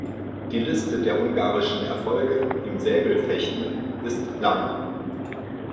Die Liste der ungarischen Erfolge im Säbelfechten ist lang.